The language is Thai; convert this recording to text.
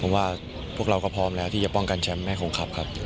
เพราะว่าพวกเราก็พร้อมแล้วที่จะป้องกันแชมป์แม่คงขับครับ